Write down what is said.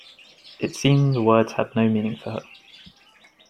It seemed the words had no meaning for her.